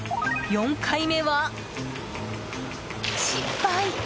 ４回目は失敗！